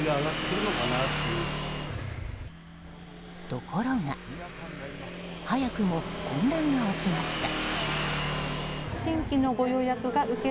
ところが早くも混乱が起きました。